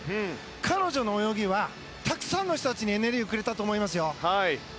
彼女の泳ぎはたくさんの人たちにエネルギーをくれたと思いますよ。